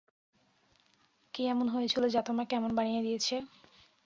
কি এমন হয়েছিল যা তোমাকে এমন বানিয়ে দিয়েছে?